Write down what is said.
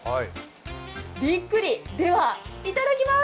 びっくり、では、いただきます！